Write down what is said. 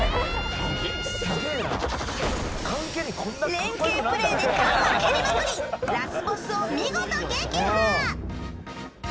連係プレーで缶を蹴りまくりラスボスを見事撃破。